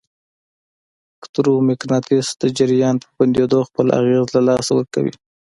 الکترو مقناطیس د جریان په بندېدو خپل اغېز له لاسه ورکوي.